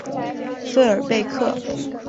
富尔贝克。